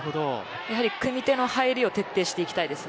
組み手の入りを徹底していきたいです。